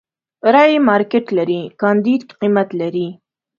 رايې مارکېټ لري، کانديد قيمت لري.